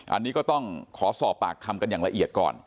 อันนี้ก็ต้องขอสอบปากคำกันอย่างละเอียดก่อน